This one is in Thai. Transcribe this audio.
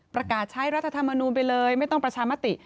ประกาศใช้รัฐธรรมนูลไปเลยไม่ต้องประชามติ